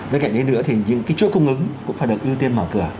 với cạnh đấy nữa thì những cái chuỗi cung ứng cũng phải được ưu tiên mở cửa